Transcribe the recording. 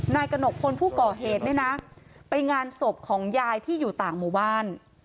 กระหนกพลผู้ก่อเหตุเนี่ยนะไปงานศพของยายที่อยู่ต่างหมู่บ้าน